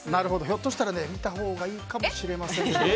ひょっとしたら見たほうがいいかもしれません。